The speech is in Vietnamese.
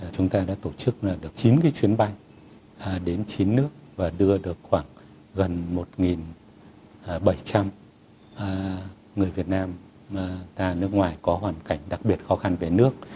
chúng ta đã tổ chức được chín cái chuyến bay đến chín nước và đưa được khoảng gần một bảy trăm linh người việt nam ra nước ngoài có hoàn cảnh đặc biệt khó khăn về nước